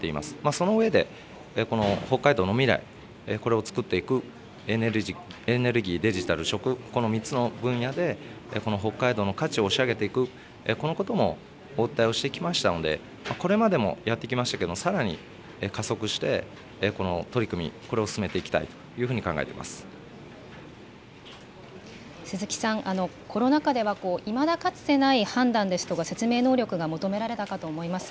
その上で北海道の未来、これを作っていくエネルギー、デジタル、食、この３つの分野で、この北海道の価値を押し上げていく、このこともお訴えをしてきましたので、これまでもやってきましたけれども、さらに加速してこの取り組み、これを進めていきたいと鈴木さん、コロナ禍では、いまだかつてない判断ですとか、説明能力が求められたかと思います。